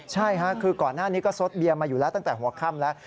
ใช่ค่ะคือก่อนหน้านี้ก็ซดเบียร์มาอยู่แล้วตั้งแต่หัวค่ำแล้ว